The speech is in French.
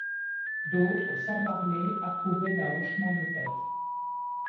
D’autres, sans parler, approuvaient d’un hochement de tête.